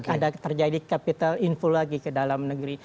ada terjadi capital inflow lagi ke dalam negeri